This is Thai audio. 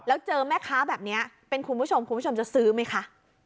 แล้วเจอแม่ค้าแบบนี้เป็นคุณผู้ชมคุณผู้ชมจะซื้อไหมคะ